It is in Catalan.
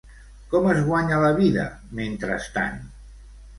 Com es guanya la vida mentrestant?